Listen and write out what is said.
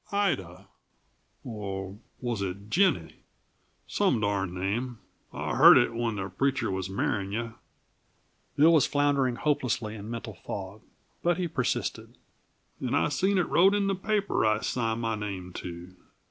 "Ida or was it Jenny? Some darned name I heard it, when the preacher was marrying you." Bill was floundering hopelessly in mental fog, but he persisted. "And I seen it wrote in the paper I signed my name to.